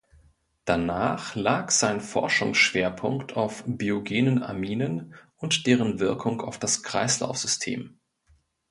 Danach lag sein Forschungsschwerpunkt auf biogenen Aminen und deren Wirkung auf das Kreislaufsystem.